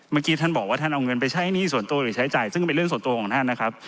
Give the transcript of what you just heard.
เมื่อกี้ท่านบอกว่าท่านเอาเงินไปใช้หนี้ส่วนตัวหรือใช้จ่ายซึ่งเป็นเรื่องส่วนตัวของท่านนะครับ